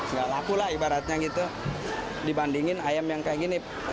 nggak laku lah ibaratnya gitu dibandingin ayam yang kayak gini